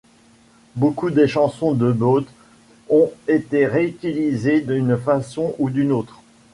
Beaucoup des chansons de Boothe ont été réutilisées d’une façon ou d’une autre.